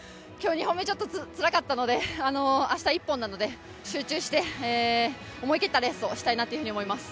２本目ちょっとつらかったので明日、１本なので集中して思い切ったレースをしたいなと思います。